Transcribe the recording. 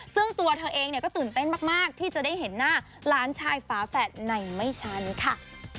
ซึ่งตัวเธอเองก็ตื่นเต้นมากที่จะได้เห็นหน้าหลานชายฝาแฝดในไม่ช้านี้ค่ะ